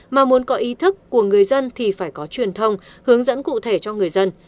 mà muốn có ý thức của người dân thì phải có truyền thông hướng dẫn cụ thể cho người dân